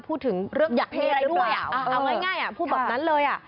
พูดถึงเลือกเพลงอะไรด้วยเอาง่ายพูดแบบนั้นเลย